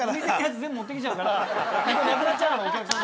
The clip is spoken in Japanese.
全部持ってきちゃうからなくなっちゃうのお客さんが。